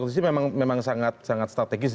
konstitusi memang sangat strategis